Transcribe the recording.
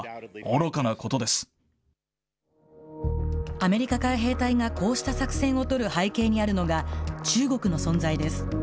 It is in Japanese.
アメリカ海兵隊がこうした作戦を取る背景にあるのが、中国の存在です。